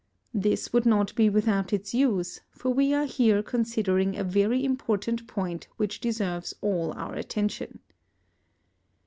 This would not be without its use, for we are here considering a very important point which deserves all our attention.